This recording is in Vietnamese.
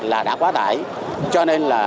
là đã quá đải cho nên là